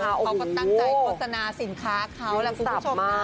เขาก็ตั้งใจโฆษณาสินค้าเขาแหละคุณผู้ชมนะ